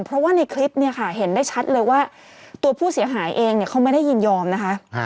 เพราะว่าในคลิปเนี่ยค่ะเห็นได้ชัดเลยว่าตัวผู้เสียหายเองเขาไม่ได้ยินยอมนะคะ